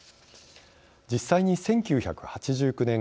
実際に１９８９年